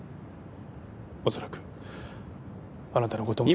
恐らくあなたの事が。